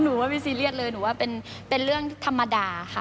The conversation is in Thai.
หนูว่าไม่ซีเรียสเลยหนูว่าเป็นเรื่องธรรมดาค่ะ